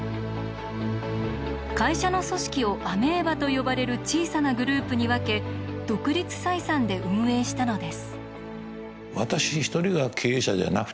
会社の組織をアメーバと呼ばれる小さなグループに分け独立採算で運営したのです。